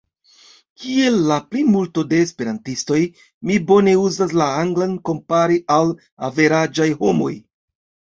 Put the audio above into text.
Kiel la plimulto de Esperantistoj, mi bone uzas la Anglan kompare al averaĝaj homoj.